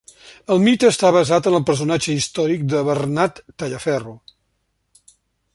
El mite està basat en el personatge històric de Bernat Tallaferro.